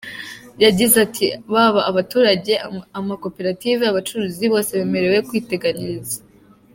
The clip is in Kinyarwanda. Yagize ati“Baba abaturage, amakoperative, abacuruzi bose bemerewe kwiteganyiriza.